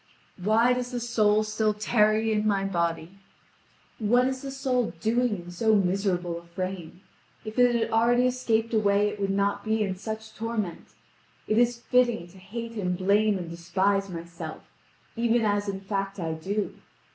Why does the soul still tarry in my body? What is the soul doing in so miserable a frame? If it had already escaped away it would not be in such torment. It is fitting to hate and blame and despise myself, even as in fact I do.